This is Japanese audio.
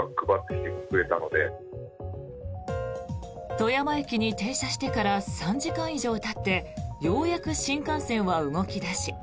富山駅に停車してから３時間以上たってようやく新幹線は動き出し